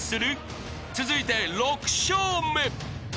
［続いて６笑目］